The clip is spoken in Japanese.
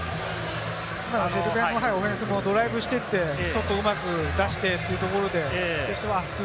今、セルビアのオフェンスもドライブしてって、外、うまく出してというところで。